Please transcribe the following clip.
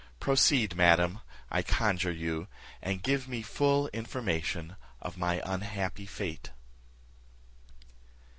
Proceed, madam, I conjure you, and give me full information of my unhappy fate."